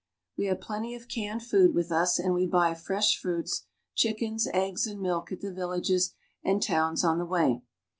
We have plenty of canned food with us, and we buy fresh fruits, chickens, eggs, and milk at the villages and towns on the way.